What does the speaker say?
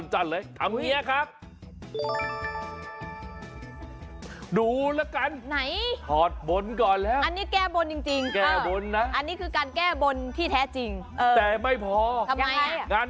เฮ้ยแก้ทั้งบนทั้งร่างเลยอ่ะ